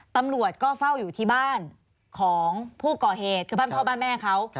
ตำรวจก็เฝ้าอยู่ที่บ้านของผู้ก่อเหตุคือบ้านพ่อบ้านแม่เขา